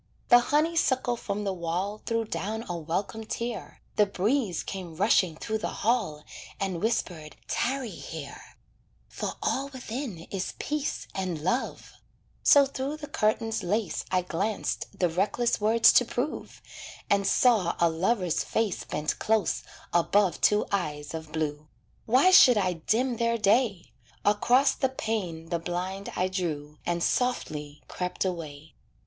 The honeysuckle from the wall Threw down a welcome tear, The breeze came rushing through the hall And whispered, "Tarry here, "For all within is peace and love;" So through the curtain's lace I glanced the reckless words to prove, And saw a lover's face Bent close above two eyes of blue. Why should I dim their day? Across the pane the blind I drew, And softly crept away.